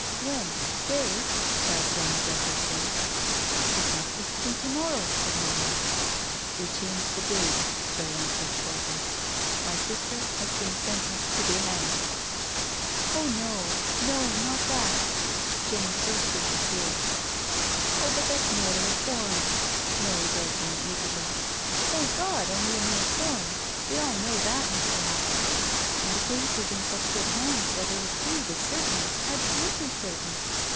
..." "When? To day?" cried Jenny breathlessly. " I thought it was to be to morrow/' said Mary. *• They changed the day," Joe answered shortly. " My sister has been sentenced to be hanged." "Oh no— no— not that?" Jenny burst into tears. " Oh, but that's merely a form," Mary broke in eagerly. " Thank God, only a mere form— we all know that, Mr. Hopton. And the case is in such good hands that her reprieve is certain — ^absolutely certain.